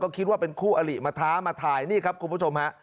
คิดว่าเป็นคู่อลิมาท้ามาถ่ายนี่ครับคุณผู้ชมฮะ